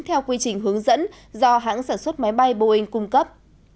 theo quy trình hướng dẫn do hãng sản xuất máy bay boeing cung cấp